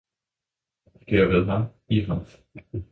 det er ved ham, i ham.